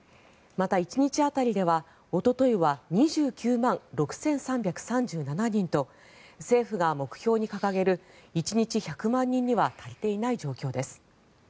また１日当たりではおとといは２９万６３３７人と政府が目標に掲げる１日１００万人には足りていない状況です。